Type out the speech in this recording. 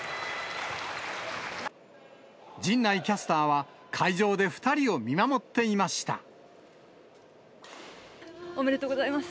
陣内キャスターは、会場で２おめでとうございます。